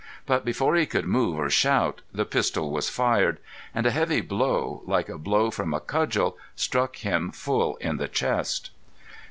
But before he could move or shout, the pistol was fired, and a heavy blow like a blow from a cudgel struck him full on the chest.